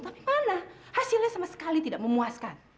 tapi mana hasilnya sama sekali tidak memuaskan